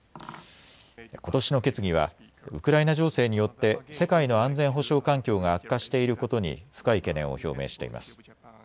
ことしの決議はウクライナ情勢によって世界の安全保障環境が悪化していることに深い懸念を表明しています。